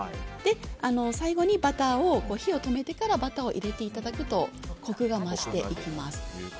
最後にバターを火を止めてから入れていただくとコクが増していきます。